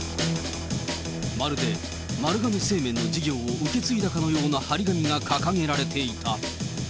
まるで丸亀製麺の事業を受け継いだかのような貼り紙が掲げられていた。